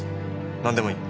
何でもいい。